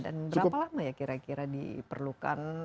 dan berapa lama ya kira kira diperlukan